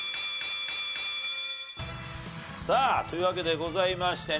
さあというわけでございましてね